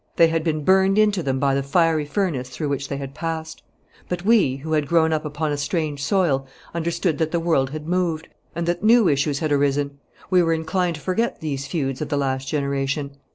They had been burned into them by the fiery furnace through which they had passed. But we, who had grown up upon a strange soil, understood that the world had moved, and that new issues had arisen. We were inclined to forget these feuds of the last generation.